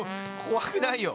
怖くないよ。